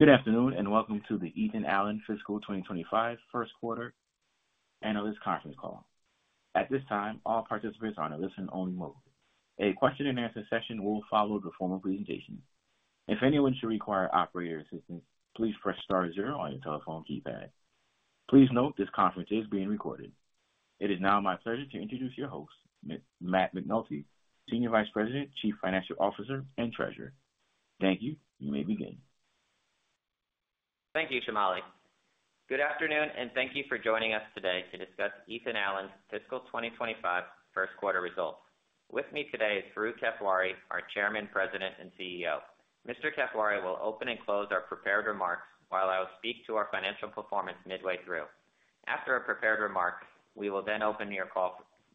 Good afternoon and welcome to the Ethan Allen Fiscal 2025 First Quarter Analyst Conference Call. At this time, all participants are in a listen-only mode. A question-and-answer session will follow the formal presentation. If anyone should require operator assistance, please press star zero on your telephone keypad. Please note this conference is being recorded. It is now my pleasure to introduce your host, Matt McNulty, Senior Vice President, Chief Financial Officer, and Treasurer. Thank you. You may begin. Thank you, Shamali. Good afternoon and thank you for joining us today to discuss Ethan Allen's Fiscal 2025 First Quarter results. With me today is Farooq Kathwari, our Chairman, President, and CEO. Mr. Kathwari will open and close our prepared remarks while I will speak to our financial performance midway through. After a prepared remark, we will then open the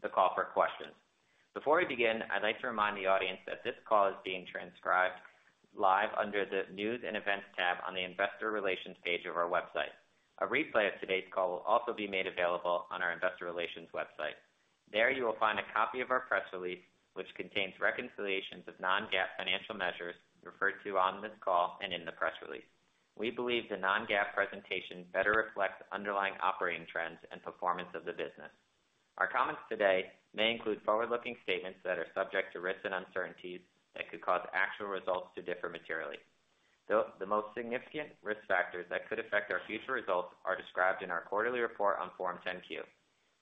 call for questions. Before we begin, I'd like to remind the audience that this call is being transcribed live under the News and Events tab on the Investor Relations page of our website. A replay of today's call will also be made available on our Investor Relations website. There you will find a copy of our press release, which contains reconciliations of non-GAAP financial measures referred to on this call and in the press release. We believe the non-GAAP presentation better reflects underlying operating trends and performance of the business. Our comments today may include forward-looking statements that are subject to risks and uncertainties that could cause actual results to differ materially. The most significant risk factors that could affect our future results are described in our quarterly report on Form 10-Q.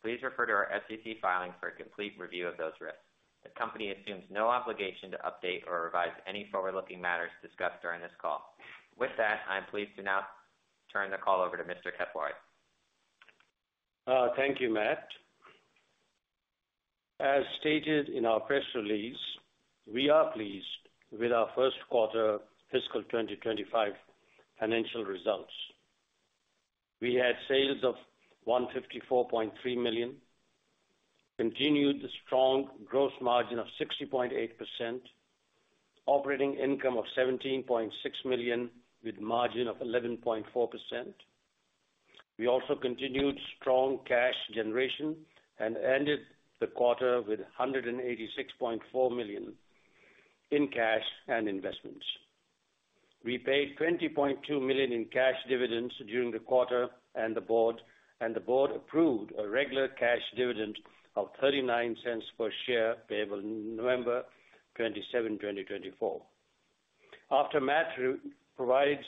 Please refer to our SEC filing for a complete review of those risks. The company assumes no obligation to update or revise any forward-looking matters discussed during this call. With that, I'm pleased to now turn the call over to Mr. Kathwari. Thank you, Matt. As stated in our press release, we are pleased with our first quarter Fiscal 2025 financial results. We had sales of $154.3 million, continued strong gross margin of 60.8%, operating income of $17.6 million with margin of 11.4%. We also continued strong cash generation and ended the quarter with $186.4 million in cash and investments. We paid $20.2 million in cash dividends during the quarter and the board approved a regular cash dividend of $0.39 per share payable November 27, 2024. After Matt provides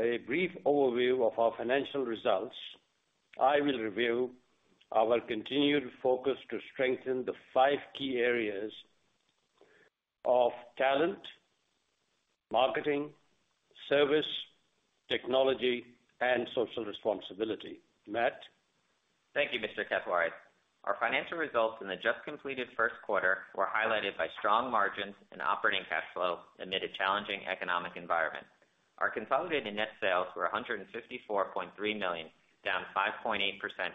a brief overview of our financial results, I will review our continued focus to strengthen the five key areas of talent, marketing, service, technology, and social responsibility. Matt. Thank you, Mr. Kathwari. Our financial results in the just-completed first quarter were highlighted by strong margins and operating cash flows amid a challenging economic environment. Our consolidated net sales were $154.3 million, down 5.8%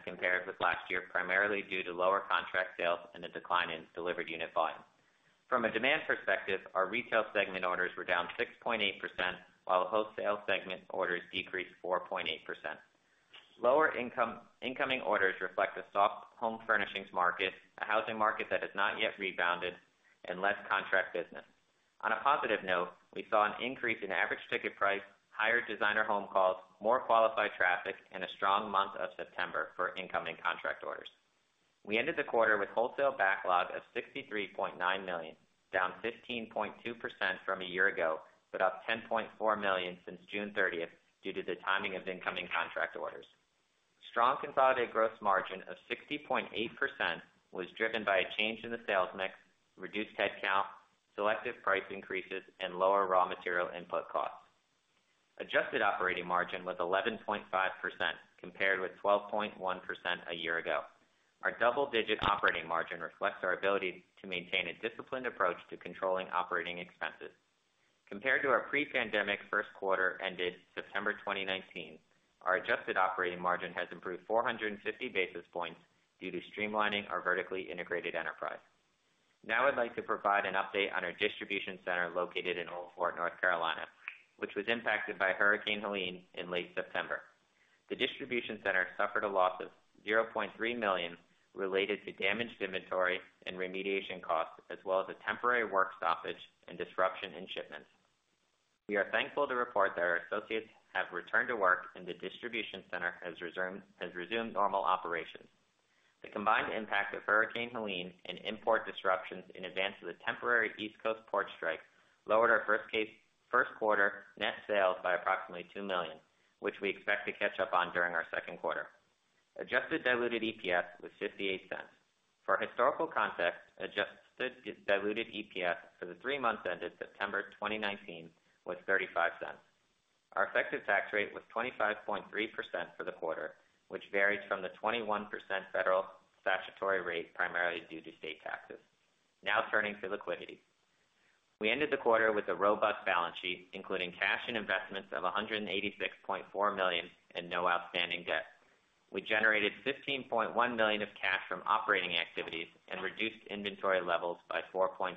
compared with last year, primarily due to lower contract sales and a decline in delivered unit volume. From a demand perspective, our retail segment orders were down 6.8%, while the wholesale segment orders decreased 4.8%. Lower incoming orders reflect a soft home furnishings market, a housing market that has not yet rebounded, and less contract business. On a positive note, we saw an increase in average ticket price, higher designer home calls, more qualified traffic, and a strong month of September for incoming contract orders. We ended the quarter with a wholesale backlog of $63.9 million, down 15.2% from a year ago, but up $10.4 million since June 30 due to the timing of incoming contract orders. Strong consolidated gross margin of 60.8% was driven by a change in the sales mix, reduced headcount, selective price increases, and lower raw material input costs. Adjusted operating margin was 11.5% compared with 12.1% a year ago. Our double-digit operating margin reflects our ability to maintain a disciplined approach to controlling operating expenses. Compared to our pre-pandemic first quarter ended September 2019, our adjusted operating margin has improved 450 basis points due to streamlining our vertically integrated enterprise. Now I'd like to provide an update on our distribution center located in Old Fort, North Carolina, which was impacted by Hurricane Helene in late September. The distribution center suffered a loss of $0.3 million related to damaged inventory and remediation costs, as well as a temporary work stoppage and disruption in shipments. We are thankful to report that our associates have returned to work, and the distribution center has resumed normal operations. The combined impact of Hurricane Helene and import disruptions in advance of the temporary East Coast port strike lowered our first quarter net sales by approximately $2 million, which we expect to catch up on during our second quarter. Adjusted diluted EPS was $0.58. For historical context, adjusted diluted EPS for the three months ended September 2019 was $0.35. Our effective tax rate was 25.3% for the quarter, which varies from the 21% federal statutory rate primarily due to state taxes. Now turning to liquidity. We ended the quarter with a robust balance sheet, including cash and investments of $186.4 million and no outstanding debt. We generated $15.1 million of cash from operating activities and reduced inventory levels by 4.3%.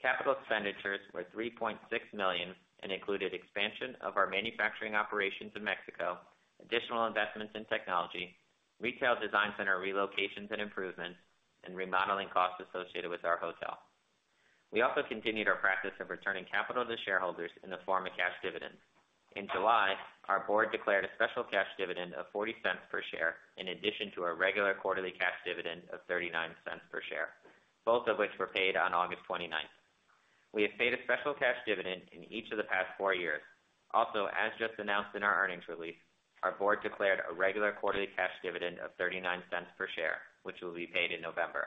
Capital expenditures were $3.6 million and included expansion of our manufacturing operations in Mexico, additional investments in technology, retail Design Center relocations and improvements, and remodeling costs associated with our hotel. We also continued our practice of returning capital to shareholders in the form of cash dividends. In July, our board declared a special cash dividend of $0.40 per share in addition to our regular quarterly cash dividend of $0.39 per share, both of which were paid on August 29. We have paid a special cash dividend in each of the past four years. Also, as just announced in our earnings release, our board declared a regular quarterly cash dividend of $0.39 per share, which will be paid in November.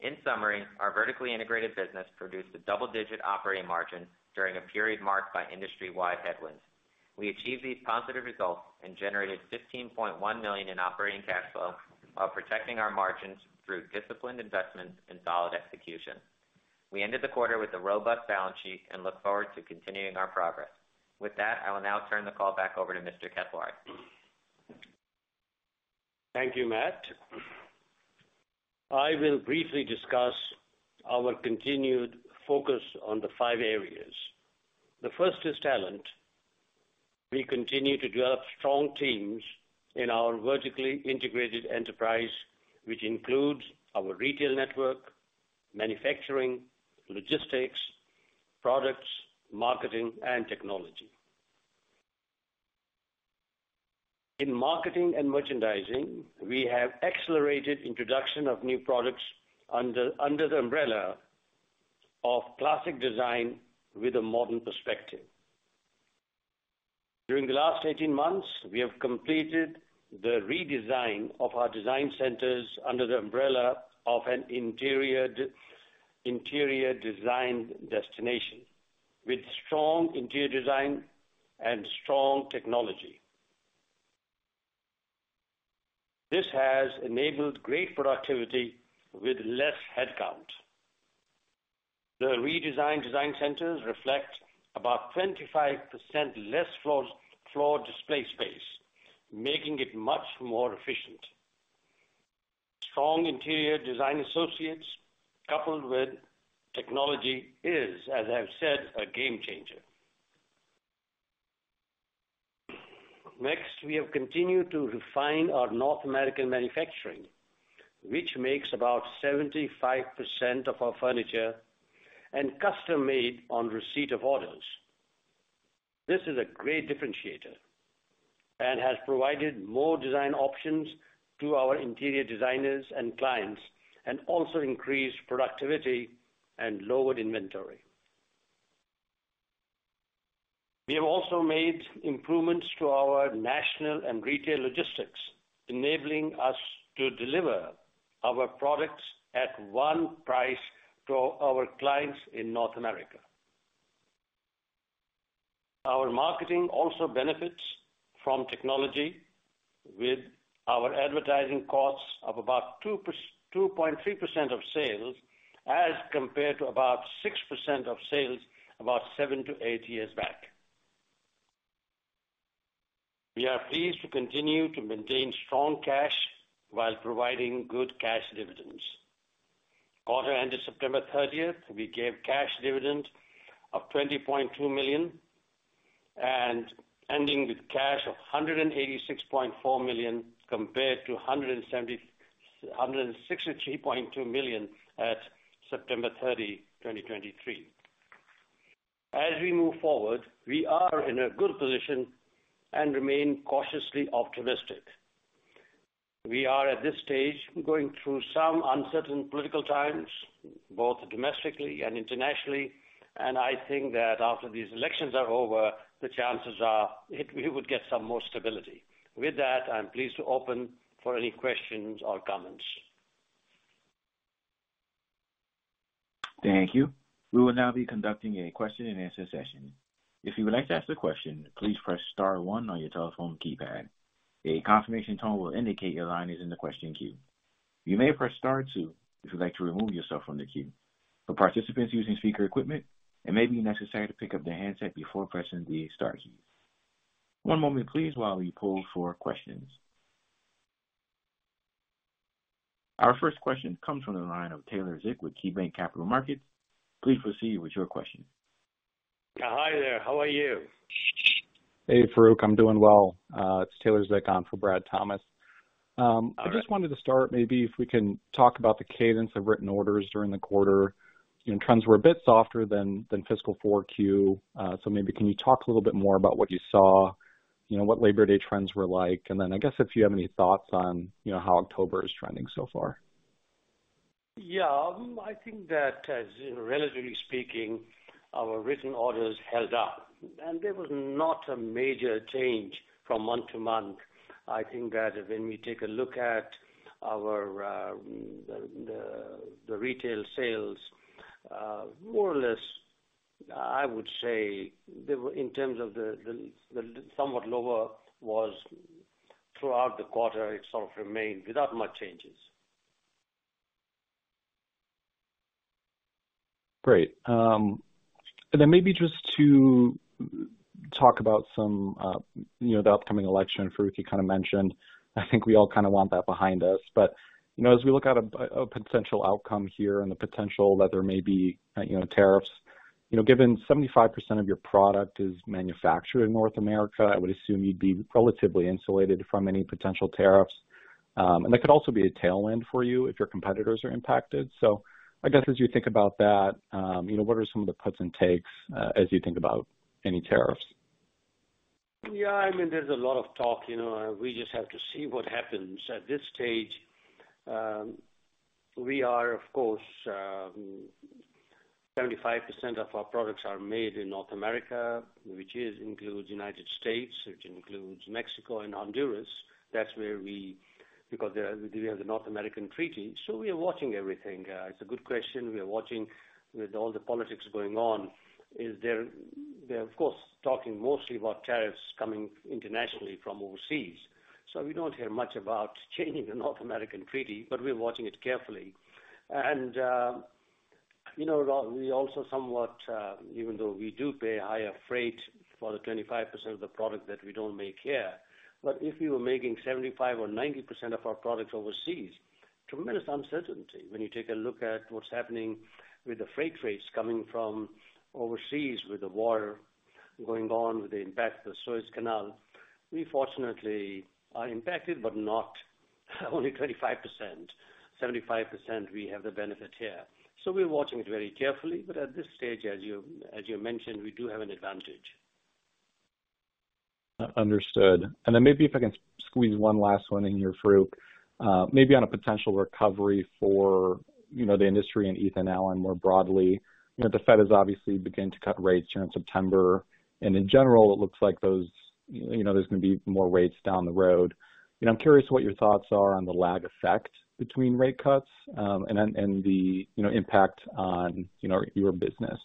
In summary, our vertically integrated business produced a double-digit operating margin during a period marked by industry-wide headwinds. We achieved these positive results and generated $15.1 million in operating cash flow while protecting our margins through disciplined investments and solid execution. We ended the quarter with a robust balance sheet and look forward to continuing our progress. With that, I will now turn the call back over to Mr. Kathwari. Thank you, Matt. I will briefly discuss our continued focus on the five areas. The first is talent. We continue to develop strong teams in our vertically integrated enterprise, which includes our retail network, manufacturing, logistics, products, marketing, and technology. In marketing and merchandising, we have accelerated the introduction of new products under the umbrella of Classic Design with a Modern Perspective. During the last 18 months, we have completed the redesign of our Design Centers under the umbrella of an Interior Design Destination with strong interior design and strong technology. This has enabled great productivity with less headcount. The redesigned Design Centers reflect about 25% less floor display space, making it much more efficient. Strong interior design associates coupled with technology is, as I've said, a game changer. Next, we have continued to refine our North American manufacturing, which makes about 75% of our furniture custom-made on receipt of orders. This is a great differentiator and has provided more design options to our interior designers and clients and also increased productivity and lowered inventory. We have also made improvements to our national and retail logistics, enabling us to deliver our products at one price to our clients in North America. Our marketing also benefits from technology with our advertising costs of about 2.3% of sales as compared to about 6% of sales about seven to eight years back. We are pleased to continue to maintain strong cash while providing good cash dividends. Quarter-ended September 30, we gave cash dividend of $20.2 million and ending with cash of $186.4 million compared to $163.2 million at September 30, 2023. As we move forward, we are in a good position and remain cautiously optimistic. We are at this stage going through some uncertain political times, both domestically and internationally, and I think that after these elections are over, the chances are we would get some more stability. With that, I'm pleased to open for any questions or comments. Thank you. We will now be conducting a question-and-answer session. If you would like to ask a question, please press star one on your telephone keypad. A confirmation tone will indicate your line is in the question queue. You may press star two if you'd like to remove yourself from the queue. For participants using speaker equipment, it may be necessary to pick up the handset before pressing the star key. One moment, please, while we pull for questions. Our first question comes from the line of Taylor Zick with KeyBanc Capital Markets. Please proceed with your question. Hi there. How are you? Hey, Farooq. I'm doing well. It's Taylor Zick on for Brad Thomas. I just wanted to start maybe if we can talk about the cadence of written orders during the quarter. Trends were a bit softer than Fiscal 4Q, so maybe can you talk a little bit more about what you saw, what Labor Day trends were like, and then I guess if you have any thoughts on how October is trending so far. Yeah, I think that relatively speaking, our written orders held up, and there was not a major change from month to month. I think that when we take a look at the retail sales, more or less, I would say in terms of the somewhat lower was throughout the quarter, it sort of remained without much changes. Great. And then maybe just to talk about the upcoming election, Farooq, you kind of mentioned, I think we all kind of want that behind us. But as we look at a potential outcome here and the potential that there may be tariffs, given 75% of your product is manufactured in North America, I would assume you'd be relatively insulated from any potential tariffs. And that could also be a tailwind for you if your competitors are impacted. So I guess as you think about that, what are some of the puts and takes as you think about any tariffs? Yeah, I mean, there's a lot of talk. We just have to see what happens at this stage. We are, of course, 75% of our products are made in North America, which includes the United States, which includes Mexico and Honduras. That's where we because we have the North American treaty. So we are watching everything. It's a good question. We are watching with all the politics going on. They're, of course, talking mostly about tariffs coming internationally from overseas. So we don't hear much about changing the North American treaty, but we're watching it carefully. And we also somewhat, even though we do pay a higher freight for the 25% of the product that we don't make here, but if we were making 75 or 90% of our products overseas, tremendous uncertainty when you take a look at what's happening with the freight rates coming from overseas with the war going on with the impact of the Suez Canal. We, fortunately, are impacted, but not only 25%. 75%, we have the benefit here. So we're watching it very carefully. But at this stage, as you mentioned, we do have an advantage. Understood. And then maybe if I can squeeze one last one in here, Farooq, maybe on a potential recovery for the industry and Ethan Allen more broadly. The Fed has obviously begun to cut rates here in September. And in general, it looks like there's going to be more rates down the road. I'm curious what your thoughts are on the lag effect between rate cuts and the impact on your business?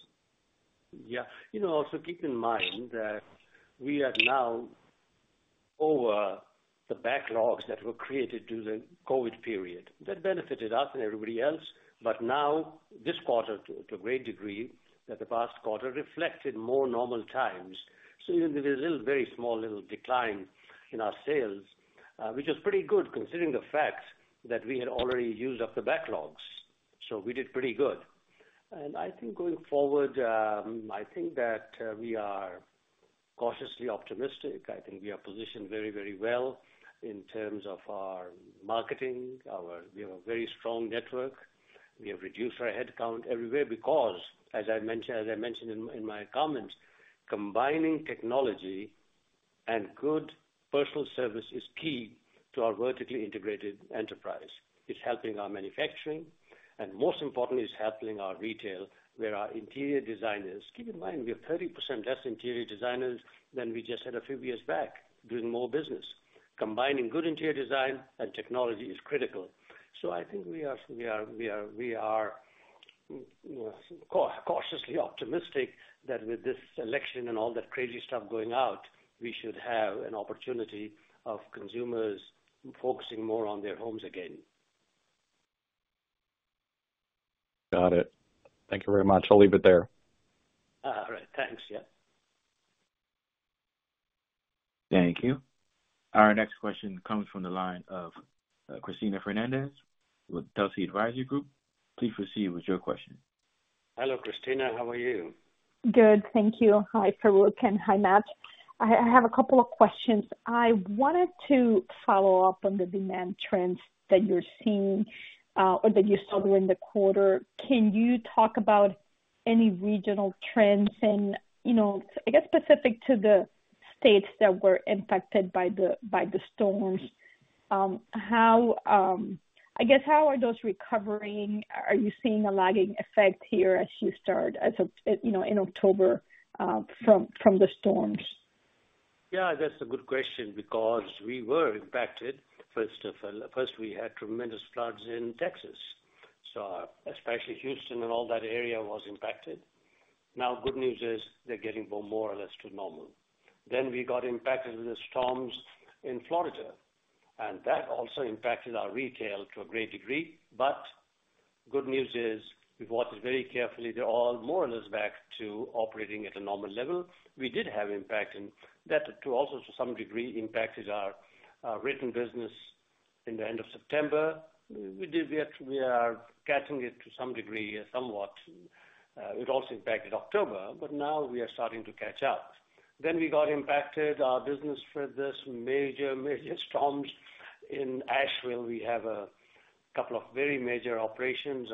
Yeah. You know, also keep in mind that we are now over the backlogs that were created during the COVID period. That benefited us and everybody else, but now this quarter, to a great degree, that the past quarter reflected more normal times. So there was a little very small little decline in our sales, which is pretty good considering the fact that we had already used up the backlogs. So we did pretty good. And I think going forward, I think that we are cautiously optimistic. I think we are positioned very, very well in terms of our marketing. We have a very strong network. We have reduced our headcount everywhere because, as I mentioned in my comments, combining technology and good personal service is key to our vertically integrated enterprise. It's helping our manufacturing. And most importantly, it's helping our retail, where our interior designers, keep in mind we have 30% less interior designers than we just had a few years back, doing more business. Combining good interior design and technology is critical. So I think we are cautiously optimistic that with this election and all that crazy stuff going out, we should have an opportunity of consumers focusing more on their homes again. Got it. Thank you very much. I'll leave it there. All right. Thanks. Yeah. Thank you. Our next question comes from the line of Cristina Fernández with Telsey Advisory Group. Please proceed with your question. Hello, Cristina. How are you? Good. Thank you. Hi, Farooq, and hi, Matt. I have a couple of questions. I wanted to follow up on the demand trends that you're seeing or that you saw during the quarter. Can you talk about any regional trends? And I guess specific to the states that were impacted by the storms, I guess, how are those recovering? Are you seeing a lagging effect here as you start in October from the storms? Yeah, that's a good question because we were impacted, first of all. First, we had tremendous floods in Texas. So especially Houston and all that area was impacted. Now, good news is they're getting more or less to normal. Then we got impacted with the storms in Florida. And that also impacted our retail to a great degree. But good news is we've watched very carefully. They're all more or less back to operating at a normal level. We did have impact, and that also to some degree impacted our written business in the end of September. We are catching it to some degree somewhat. It also impacted October, but now we are starting to catch up. Then we got impacted by this major, major storms in Asheville. We have a couple of very major operations,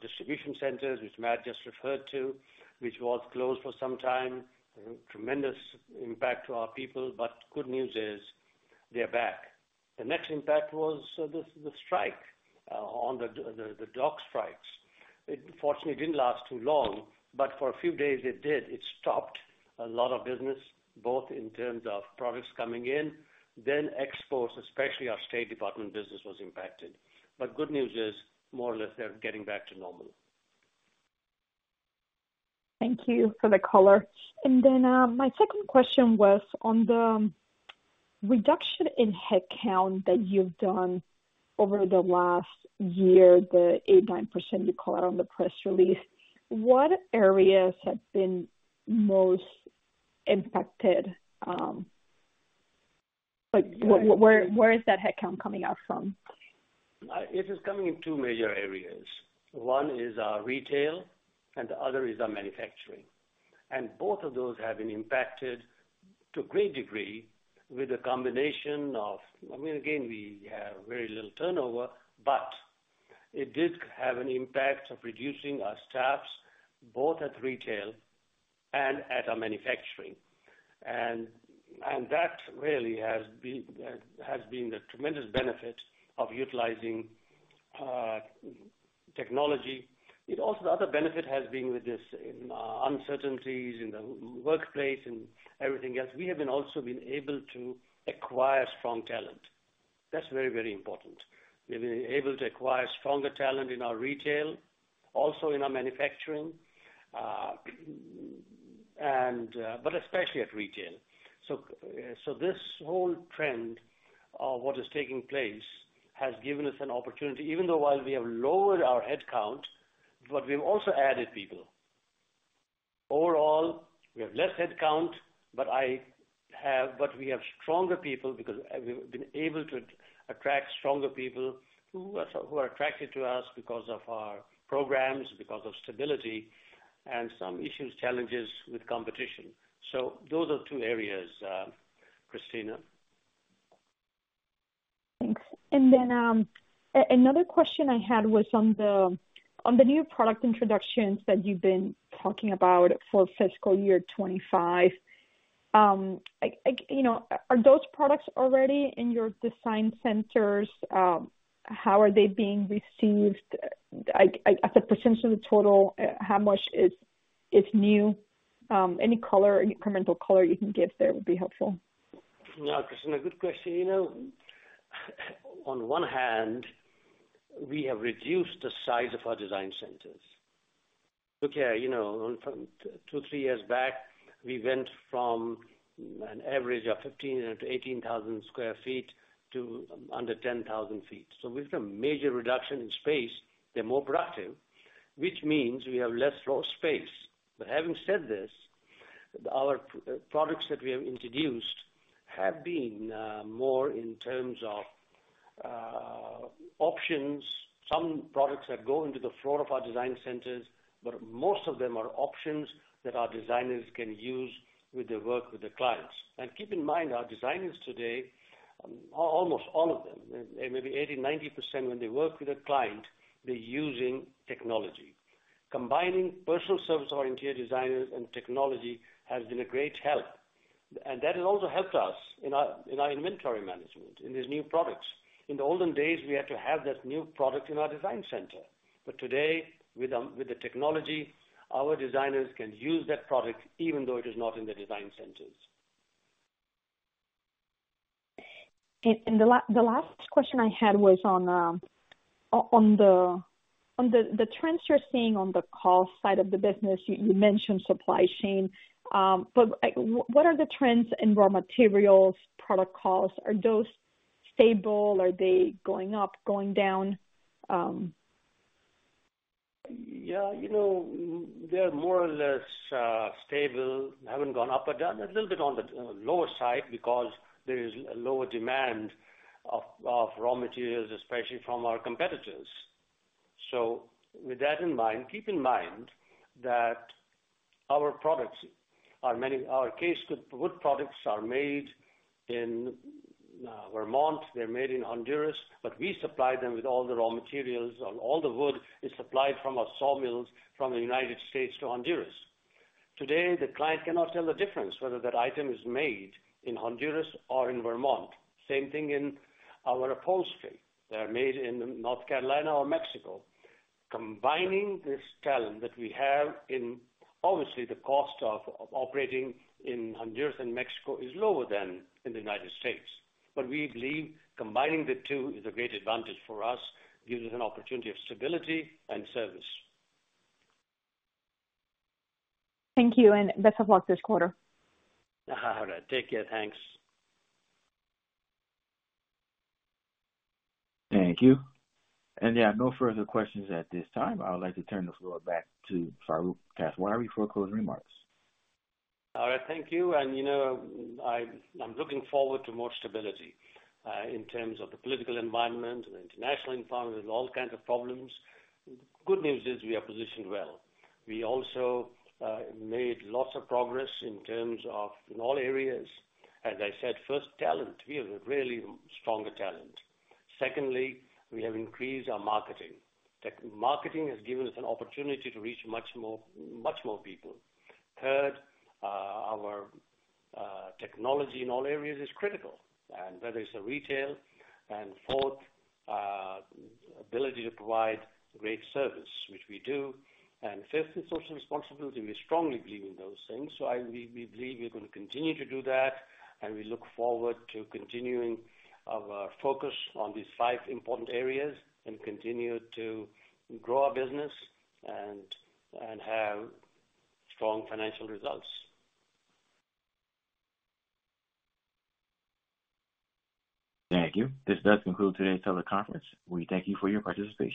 distribution centers, which Matt just referred to, which was closed for some time. Tremendous impact to our people. But good news is they're back. The next impact was the strike, the dock strikes. Fortunately, it didn't last too long, but for a few days, it did. It stopped a lot of business, both in terms of products coming in. Then exports, especially our State Department business, was impacted. But good news is more or less they're getting back to normal. Thank you for the color. And then my second question was on the reduction in headcount that you've done over the last year, the 8% to 9% you call out on the press release. What areas have been most impacted? Where is that headcount coming out from? It is coming in two major areas. One is our retail, and the other is our manufacturing, and both of those have been impacted to a great degree with a combination of, I mean, again, we have very little turnover, but it did have an impact of reducing our staffs, both at retail and at our manufacturing, and that really has been the tremendous benefit of utilizing technology. Also, the other benefit has been with these uncertainties in the workplace and everything else. We have also been able to acquire strong talent. That's very, very important. We've been able to acquire stronger talent in our retail, also in our manufacturing, but especially at retail, so this whole trend of what is taking place has given us an opportunity, even though while we have lowered our headcount, but we've also added people. Overall, we have less headcount, but we have stronger people because we've been able to attract stronger people who are attracted to us because of our programs, because of stability, and some issues, challenges with competition. So those are two areas, Cristina. Thanks. And then another question I had was on the new product introductions that you've been talking about for fiscal year 25. Are those products already in your Design Centers? How are they being received? As a percentage of the total, how much is new? Any incremental color you can give there would be helpful. Yeah, Cristina, good question. On one hand, we have reduced the size of our Design Centers. Look here, from two, three years back, we went from an average of 15,000-18,000 sq ft to under 10,000 sq ft. So we've got a major reduction in space. They're more productive, which means we have less floor space. But having said this, our products that we have introduced have been more in terms of options, some products that go into the floor of our Design Centers, but most of them are options that our designers can use with their work with the clients. And keep in mind, our designers today, almost all of them, maybe 80-90% when they work with a client, they're using technology. Combining personal service of our interior designers and technology has been a great help. And that has also helped us in our inventory management in these new products. In the olden days, we had to have that new product in our Design Center. But today, with the technology, our designers can use that product even though it is not in the Design Centers. The last question I had was on the trends you're seeing on the cost side of the business. You mentioned supply chain. But what are the trends in raw materials, product costs? Are those stable? Are they going up, going down? Yeah, they're more or less stable. They haven't gone up or down. A little bit on the lower side because there is lower demand of raw materials, especially from our competitors. So with that in mind, keep in mind that our products, our casegoods products are made in Vermont. They're made in Honduras, but we supply them with all the raw materials. All the wood is supplied from our sawmills from the United States to Honduras. Today, the client cannot tell the difference whether that item is made in Honduras or in Vermont. Same thing in our upholstery. They're made in North Carolina or Mexico. Combining this talent that we have in, obviously, the cost of operating in Honduras and Mexico is lower than in the United States. But we believe combining the two is a great advantage for us, gives us an opportunity of stability and service. Thank you. And best of luck this quarter. All right. Take care. Thanks. Thank you. And yeah, no further questions at this time. I would like to turn the floor back to Farooq Kathwari for closing remarks. All right. Thank you. And I'm looking forward to more stability in terms of the political environment, the international environment, all kinds of problems. The good news is we are positioned well. We also made lots of progress in terms of all areas. As I said, first, talent. We have a really stronger talent. Secondly, we have increased our marketing. Marketing has given us an opportunity to reach much more people. Third, our technology in all areas is critical, and whether it's retail. And fourth, ability to provide great service, which we do. And fifth, social responsibility. We strongly believe in those things. So we believe we're going to continue to do that. And we look forward to continuing our focus on these five important areas and continue to grow our business and have strong financial results. Thank you. This does conclude today's teleconference. We thank you for your participation.